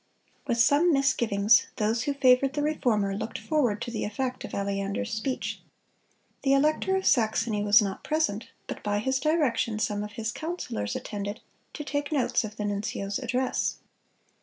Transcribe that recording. (201) With some misgivings those who favored the Reformer looked forward to the effect of Aleander's speech. The elector of Saxony was not present, but by his direction some of his councilors attended, to take notes of the nuncio's address.